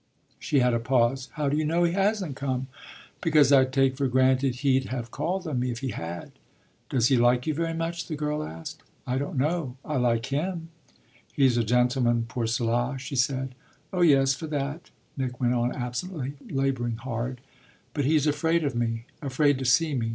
She had a pause. "How do you know he hasn't come?" "Because I take for granted he'd have called on me if he had." "Does he like you very much?" the girl asked. "I don't know. I like him." "He's a gentleman pour cela," she said. "Oh yes, for that!" Nick went on absently, labouring hard. "But he's afraid of me afraid to see me."